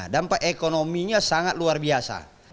dampak ekonominya sangat luar biasa